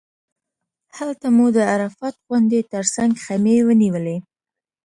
هلته مو د عرفات غونډۍ تر څنګ خیمې ونیولې.